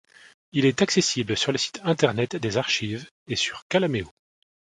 Il est accessible sur le site internet des archives et sur Calaméo.